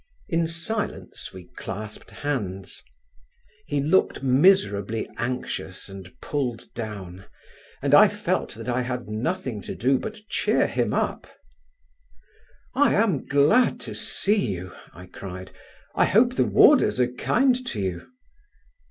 In silence we clasped hands. He looked miserably anxious and pulled down and I felt that I had nothing to do but cheer him up. "I am glad to see you," I cried. "I hope the warders are kind to you?"